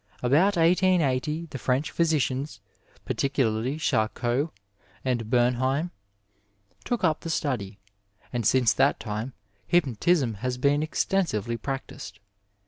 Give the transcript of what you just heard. About 1880 the French physicians, particularly Ciharcot and Bemheim, took up the study, and since that time hypnotism has been extensively practised.